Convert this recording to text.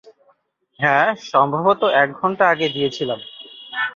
হ্যাঁ, সম্ভবত এক ঘন্টা আগে দিয়েছিলাম।